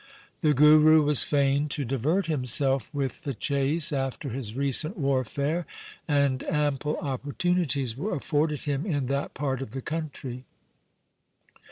The Guru was fain to divert himself with the chase after his recent warfare, and ample opportunities were afforded him in that part of the country.